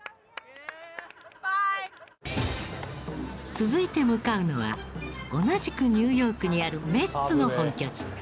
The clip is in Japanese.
続いて向かうのは同じくニューヨークにあるメッツの本拠地。